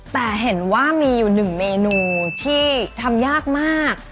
แต่เห็นว่ามีอยู่หนึ่งเมนูที่ทำยากมาก